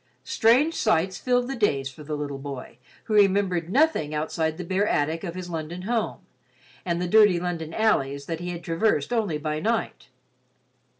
Strange sights filled the days for the little boy who remembered nothing outside the bare attic of his London home and the dirty London alleys that he had traversed only by night.